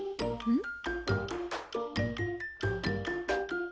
うん？